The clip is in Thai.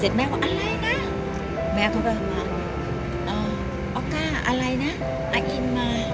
เสร็จแม่เขาว่าอะไรนะแม่เขาก็ว่าอ่าออก้าอะไรนะอ่าอินมา